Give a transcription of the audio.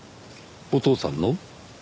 お父さんの？